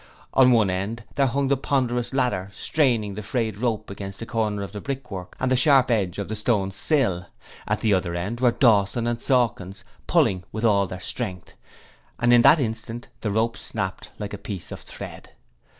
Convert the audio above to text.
On one end there hung the ponderous ladder, straining the frayed rope against the corner of the brickwork and the sharp edge of the stone sill, at the other end were Dawson and Sawkins pulling with all their strength, and in that instant the rope snapped like a piece of thread.